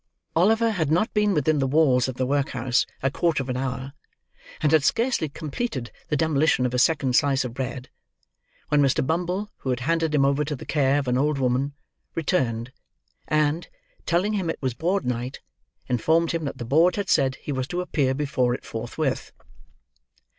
Oliver had not been within the walls of the workhouse a quarter of an hour, and had scarcely completed the demolition of a second slice of bread, when Mr. Bumble, who had handed him over to the care of an old woman, returned; and, telling him it was a board night, informed him that the board had said he was to appear before it forthwith.